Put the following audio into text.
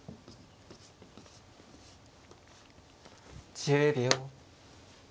１０秒。